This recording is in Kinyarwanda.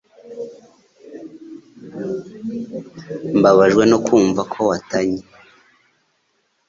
Mbabajwe no kumva ko watanye.